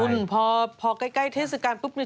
คุณพอใกล้เทศกาลปุ๊บนึ